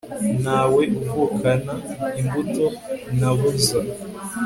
ntawe uvukana imbuto na buza